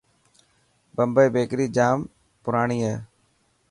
بمبي بيڪر جام پراڻي هي.